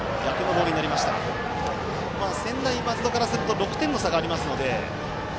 専大松戸からすると６点の差がありますので。